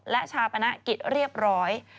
และชาปนกิจเรียบร้อย